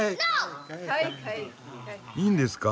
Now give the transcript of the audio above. いいんですか？